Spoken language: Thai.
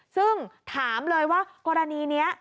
ซึ่งถามเลยว่ากรณีนี้